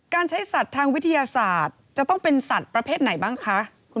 ใช้สัตว์ทางวิทยาศาสตร์จะต้องเป็นสัตว์ประเภทไหนบ้างคะ